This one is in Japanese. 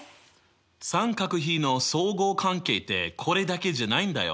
三角比の相互関係ってこれだけじゃないんだよ。